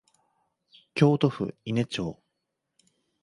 京都府伊根町